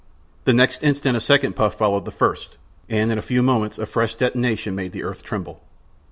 The next instant a second puff followed the first, and in a few moments a fresh detonation made the earth tremble.